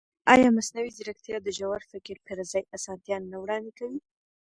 ایا مصنوعي ځیرکتیا د ژور فکر پر ځای اسانتیا نه وړاندې کوي؟